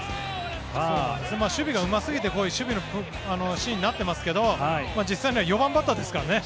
守備がうますぎて守備のシーンになってますけど実際には４番バッターですからね。